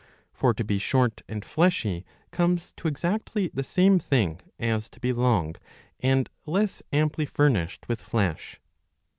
For to be short and fleshy comes to exactly the same thing as to be long and less amply furnished with flesh.